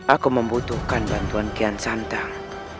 aku membutuhkan bantuan kian santan